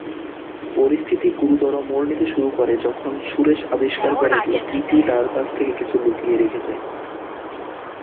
পরিস্থিতি গুরুতর মোড় নিতে শুরু করে যখন সুরেশ আবিষ্কার করে যে কৃতি তার কাছ থেকে কিছু লুকিয়ে রেখেছে।